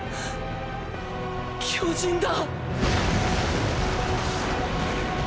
巨人だ！